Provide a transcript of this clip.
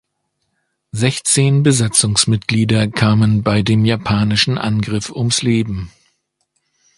Sechzehn Besatzungsmitglieder kamen bei dem japanischen Angriff ums Leben.